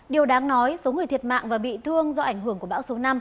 điều đáng nói số người thiệt mạng và bị thương do ảnh hưởng của bão số năm